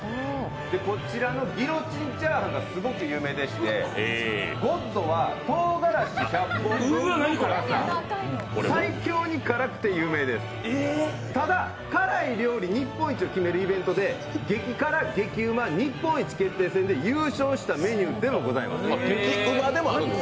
こちらのギロチン炒飯がすごく有名でして、ゴッドはとうがらし１００本分の辛さただ辛い料理日本一を決めるイベントで激辛・激ウマ日本一決定戦で優勝したメニューでもございます。